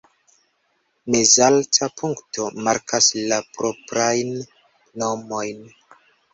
Mezalta punkto markas la proprajn nomojn.